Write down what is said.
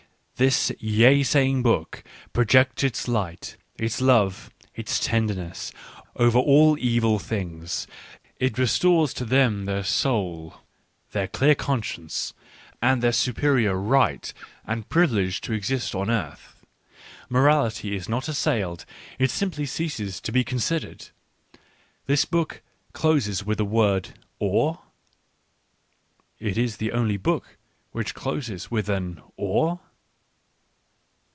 This yea saying book projects its light, its love, its tenderness, over all evil things, it restores to them their soul, their clear conscience, and their superior right and privilege to exist on earth. Digitized by Google WHY I WRITE SUCH EXCELLENT BOOKS 93 Morality is not assailed, it simply ceases to be considered. This book closes with the word " or ?"— it is the only book which closes with an " or